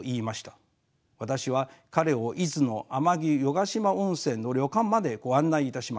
私は彼を伊豆の天城湯ヶ島温泉の旅館までご案内いたしました。